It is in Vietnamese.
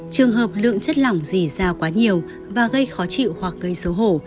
trường hợp lượng chất lỏng dì ra quá nhiều và gây khó chịu hoặc gây số hổ